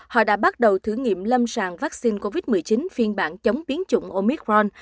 họ đã bắt đầu thử nghiệm lâm sàng vaccine covid một mươi chín phiên bản chống biến chủng omicron